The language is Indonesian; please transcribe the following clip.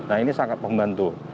nah ini sangat membantu